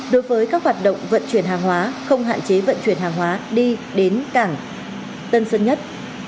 đối với các hoạt động vận chuyển hàng hóa không hạn chế vận chuyển hàng hóa đi đến cảng tân sơn nhất